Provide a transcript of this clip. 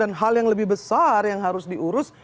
dan hal yang lebih besar yang harus diurus